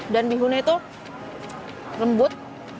dan bihunnya itu lembut